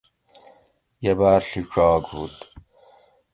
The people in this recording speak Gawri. یہ باۤر ڷیڄاگ ھوت